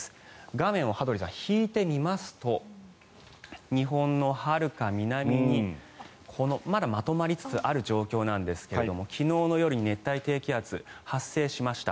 画面を羽鳥さん、引いてみますと日本のはるか南にまだまとまりつつある状況なんですが昨日の夜に熱帯低気圧が発生しました。